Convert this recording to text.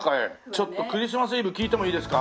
ちょっと『クリスマス・イブ』聴いてもいいですか？